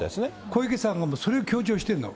小池さんがもうそれを強調してるの。